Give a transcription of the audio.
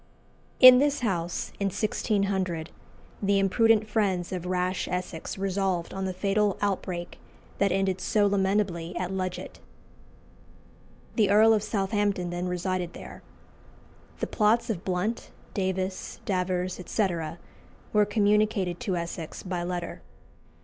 In this house, in 1600, the imprudent friends of rash Essex resolved on the fatal outbreak that ended so lamentably at Ludgate. The Earl of Southampton then resided there. The plots of Blount, Davis, Davers, etc., were communicated to Essex by letter.